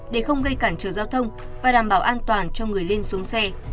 để không gây cản trở giao thông và đảm bảo an toàn cho người lên xuống xe